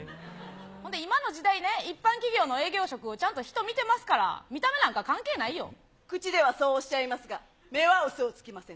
ほんで、今の時代ね、一般企業の営業職をちゃんと人見てますから、見た目なんか関係な口ではそうおっしゃいますが、目はうそをつきません。